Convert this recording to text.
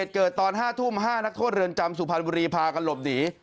เกิดตอน๕ทุ่ม๕นักโทษเรือนจำสุพรรณบุรีพากันหลบหนี